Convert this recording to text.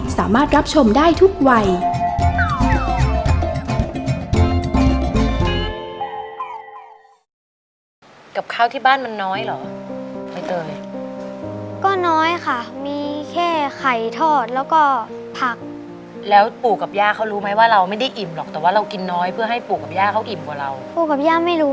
สามารถรับชมได้ทุกวัย